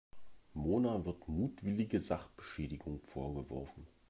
Mona wird mutwillige Sachbeschädigung vorgeworfen.